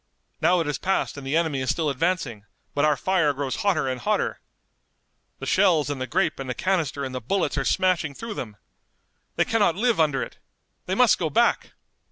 Now it has passed and the enemy is still advancing, but our fire grows hotter and hotter! The shells and the grape and the canister and the bullets are smashing through them. They cannot live under it! They must go back!"